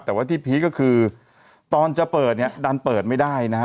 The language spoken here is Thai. แต่ว่าที่พีคก็คือตอนจะเปิดเนี่ยดันเปิดไม่ได้นะฮะ